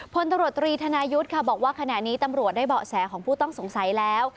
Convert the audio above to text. พลตำรวจตรีธนายุทธ์ค่ะบอกว่าขณะนี้ตำรวจได้เบาะแสของผู้ต้องสงสัยแล้ว